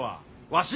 わし？